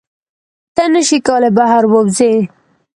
ته نشې کولی بهر ووځې.